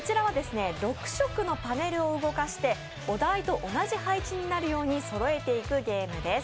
６色のパネルを動かしてお題と同じ配置になるようにそろえていくゲームです。